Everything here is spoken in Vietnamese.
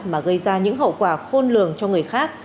mà gây ra những hậu quả khôn lường cho người khác